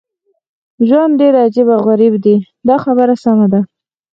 ژوند ډېر عجیب او غریب دی دا خبره سمه ده.